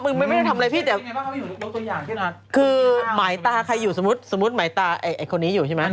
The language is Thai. มึงไม่ได้ทำอะไรพี่